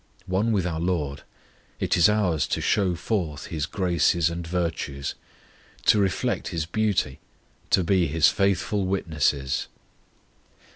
One with our LORD, it is ours to show forth His graces and virtues, to reflect His beauty, to be His faithful witnesses.